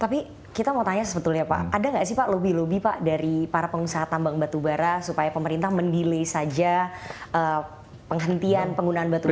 tapi kita mau tanya sebetulnya pak ada nggak sih pak lobby lobby pak dari para pengusaha tambang batubara supaya pemerintah mendelay saja penghentian penggunaan batubara